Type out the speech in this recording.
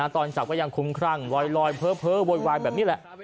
ตอนจับก็ยังคุ้มครั่งลอยเพ้อโวยวายแบบนี้แหละ